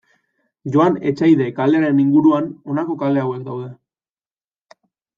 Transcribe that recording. Joan Etxaide kalearen inguruan honako kale hauek daude.